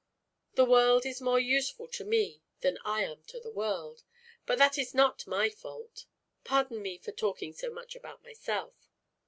The world is more useful to me than I am to the world, but that is not my fault. Pardon me for talking so much about myself."